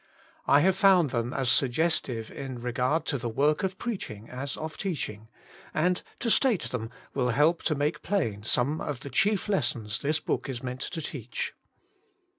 I have found them as suggestive in regard to the work of preaching as of teaching, and to state them will' help to make plain some of the chief lessons this book is meant to teach.